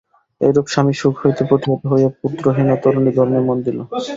এইরূপ স্বামীসুখ হইতে প্রতিহত হইয়া পুত্রহীনা তরুণী ধর্মে মন দিল।